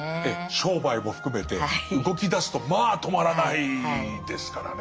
商売も含めて動きだすとまあ止まらないですからね。